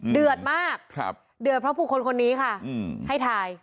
เดือดมากเดือดเพราะผู้คนคนนี้ค่ะให้ถ่าย